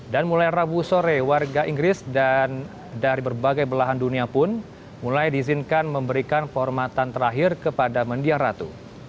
dan mulai rabu sore warga inggris dan dari berbagai belahan dunia pun mulai diizinkan memberikan perhormatan terakhir kepada mendia ratu